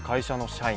社員・